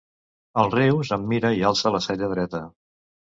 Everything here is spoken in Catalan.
El Rius em mira i alça la cella dreta.